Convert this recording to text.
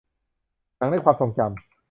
หนังในความทรงจำ